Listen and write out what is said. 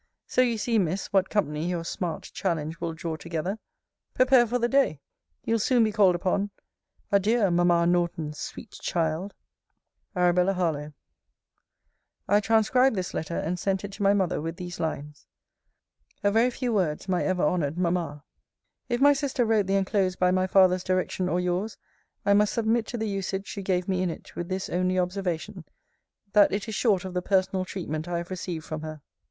So, you see, Miss, what company your smart challenge will draw together. Prepare for the day. You'll soon be called upon. Adieu, Mamma Norton's sweet child! ARAB. HARLOWE. I transcribed this letter, and sent it to my mother, with these lines: A very few words, my ever honoured Mamma! If my sister wrote the enclosed by my father's direction, or yours, I must submit to the usage she gave me in it, with this only observation, That it is short of the personal treatment I have received from her.